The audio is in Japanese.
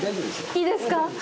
いいですか？